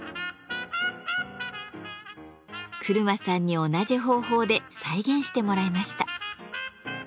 車さんに同じ方法で再現してもらいました。